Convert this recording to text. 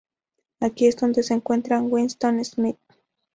Aquí es donde se encuentra Winston Smith.